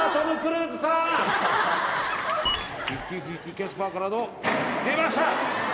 キャスパーからの。出ました！